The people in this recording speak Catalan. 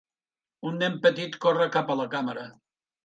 Un nen petit corre cap a la càmera.